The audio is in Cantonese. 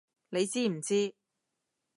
你知唔知！